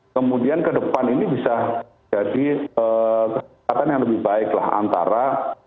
kemudian ke depan ini bisa jadi kesempatan yang lebih baik lah antara